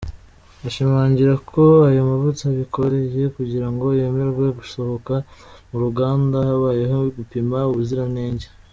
Ashimangira ko ayo mavuta bikoreye kugira ngo yemerwe gusohoka mu ruganda habayeho gupima ubuziranenge.